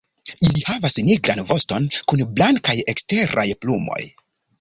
Ili havas nigran voston kun blankaj eksteraj plumoj.